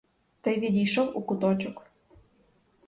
Та й відійшов у куточок.